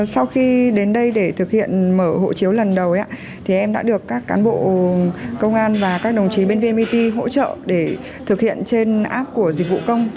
sau khi đến đây để thực hiện mở hộ chiếu lần đầu em đã được các cán bộ công an và các đồng chí bên vnpt hỗ trợ để thực hiện trên app của dịch vụ công